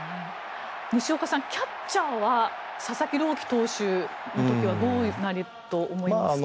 西岡さん、キャッチャーは佐々木朗希投手の時はどうなると思いますか？